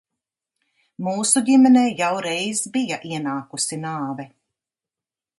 Mūsu ģimenē jau reiz bija ienākusi nāve.